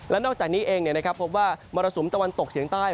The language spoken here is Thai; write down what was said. และนอกจากนี้เองพบว่ามรสุมตะวันตกเฉียงใต้